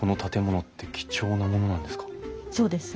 そうです。